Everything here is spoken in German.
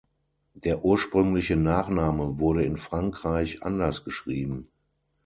Der ursprüngliche Nachname wurde in Frankreich anders geschrieben.